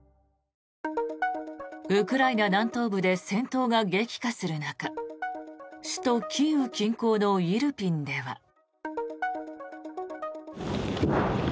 ウクライナ南東部で戦闘が激化する中首都キーウ近郊のイルピンでは。